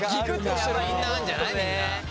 みんなあるんじゃないみんな？